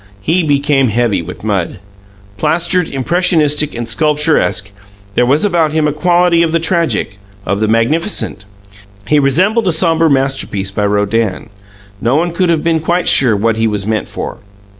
He became heavy with mud. Plastered, impressionistic and sculpturesque, there was about him a quality of the tragic, of the magnificent. He resembled a sombre masterpiece by Rodin. No one could have been quite sure what he was meant for.